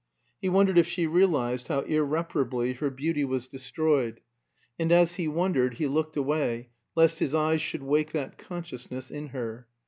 He wondered if she realized how irreparably her beauty was destroyed, and as he wondered he looked away, lest his eyes should wake that consciousness in her.